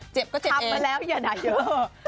เจ็บก็เจ็บเองทำมาแล้วอย่าด่าเยอะ